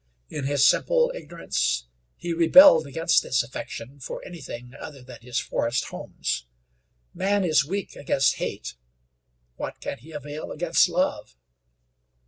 In his simple ignorance he rebelled against this affection for anything other than his forest homes. Man is weak against hate; what can he avail against love?